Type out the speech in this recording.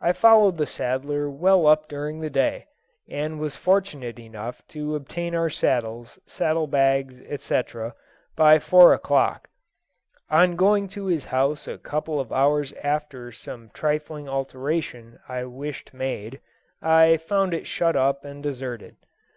I followed the saddler well up during the day, and was fortunate enough to obtain our saddles, saddle bags, etc., by four o'clock. On going to his house a couple of hours after about some trifling alteration I wished made, I found it shut up and deserted.